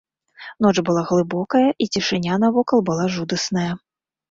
Ноч была глыбокая, і цішыня навокал была жудасная.